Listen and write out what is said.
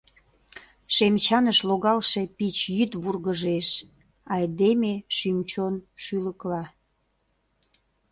Шем чаныш логалше пич йӱд вургыжеш Айдеме шӱм-чон шӱлыкла.